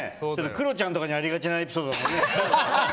クロちゃんとかにありがちなエピソードだもんね。